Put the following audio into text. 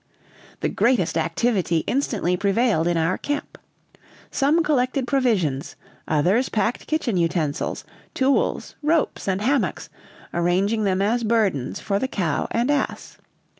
The greatest activity instantly prevailed in our camp. Some collected provisions, others packed kitchen utensils, tools, ropes, and hammocks, arranging them as burdens for the cow and ass.